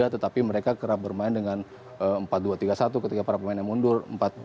tetapi mereka kerap bermain dengan empat dua tiga satu ketika para pemainnya mundur